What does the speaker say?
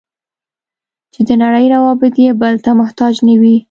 چې د نړۍ روابط یې بل ته محتاج نه وي.